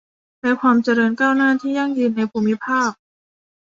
และความเจริญก้าวหน้าที่ยั่งยืนในภูมิภาค